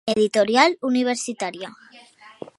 Editorial Universitària.